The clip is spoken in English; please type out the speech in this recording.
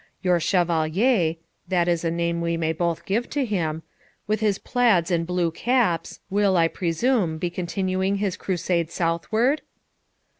Your Chevalier (that is a name we may both give to him), with his plaids and blue caps, will, I presume, be continuing his crusade southward?'